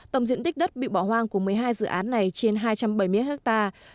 tổng diện tích đất bị bỏ hoang của một mươi hai dự án này trên hai trăm bảy mươi hectare